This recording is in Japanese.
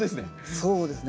そうですね。